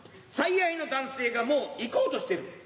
最愛の男性がもう行こうとしてる。